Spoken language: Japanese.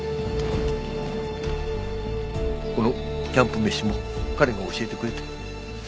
このキャンプ飯も彼が教えてくれた。